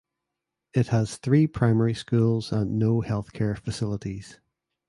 It has three primary schools and no healthcare facilities.